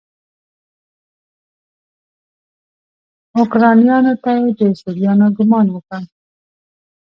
اوکرانیانو ته یې د سوريانو ګمان وکړ.